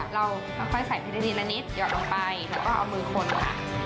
เราก็ค่อยใส่ไปในนิดหยอกลงไปแล้วก็เอามือคนค่ะ